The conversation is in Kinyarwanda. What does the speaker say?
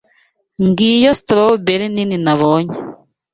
Ngiyo strawberry nini nabonye.